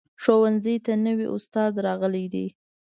ښوونځي ته نوي استاد راغلی ده